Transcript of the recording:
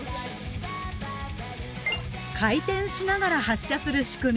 回転しながら発射する仕組み